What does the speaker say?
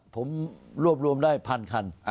ผมรวบรวมได้๒๐๐๐ครัน